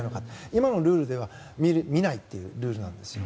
今のルールでは見ないというルールなんですよ。